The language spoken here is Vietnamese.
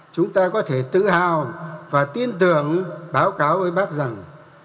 chúng ta có thể tự hào và tin tưởng báo cáo với bác rằng